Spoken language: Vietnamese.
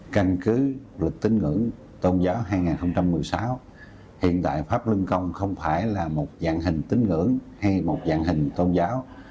căn cứ lịch tính ngưỡng tôn giáo hai nghìn một mươi sáu hiện tại pháp luân công không phải là một dạng hình tính ngưỡng hay một dạng hình tôn giáo